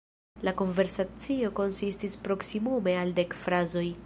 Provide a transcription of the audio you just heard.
La konversacio konsistis proksimume al dek frazoj.